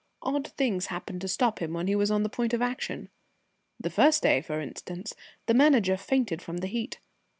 Odd things happened to stop him when he was on the point of action. The first day, for instance, the Manager fainted from the heat.